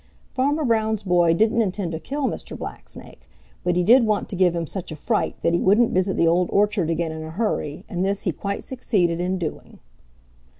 Farmer Brown's boy didn't intend to kill Mr. Blacksnake, but he did want to give him such a fright that he wouldn't visit the Old Orchard again in a hurry, and this he quite succeeded in doing.